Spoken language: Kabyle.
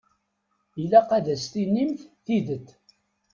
Ilaq ad as-tinimt tidet.